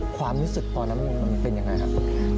ความรู้สึกตอนนั้นมันเป็นยังไงครับ